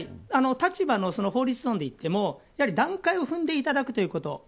立場の法律論で言っても段階を踏んでいただくということ。